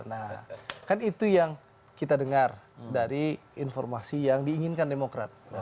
nah kan itu yang kita dengar dari informasi yang diinginkan demokrat